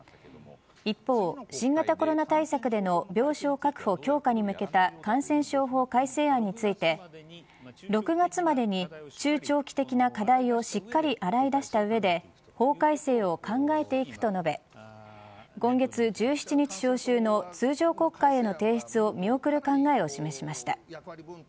一方、新型コロナ対策での病床確保強化に向けた感染症法改正案について６月までに中長期的な課題をしっかり洗い出した上で法改正を考えていくと述べ今月１７日召集の通常国会への提出を見送る考えを示しました。